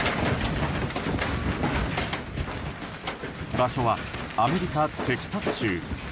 場所はアメリカ・テキサス州。